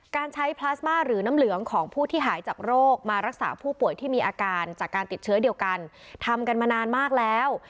การใช้พลาสมาหรือน้ำเหลืองของผู้ที่หายจากโรคมารักษาผู้ป่วยที่มีอาการจากการติดเชื้อเดียวกันทำกันมานานมากแล้ว